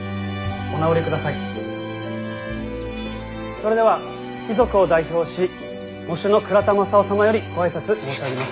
それでは遺族を代表し喪主の倉田雅夫様よりご挨拶申し上げます。